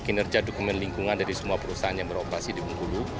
kinerja dokumen lingkungan dari semua perusahaan yang beroperasi di bengkulu